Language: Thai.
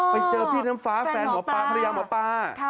ไปเจอพี่น้ำฟ้าแฟนหมอปลาภรรยาหมอปลา